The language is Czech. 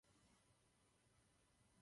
Poté působil v Praze a v Ústí nad Orlicí.